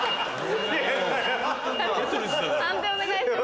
判定お願いします。